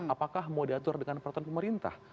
apakah mau diatur dengan peraturan pemerintah